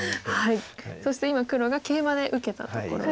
そして今黒がケイマで受けたところです。